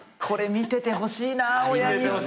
これ見ててほしいな親に。